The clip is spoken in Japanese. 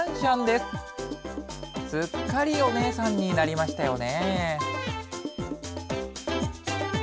すっかりお姉さんになりましたよね。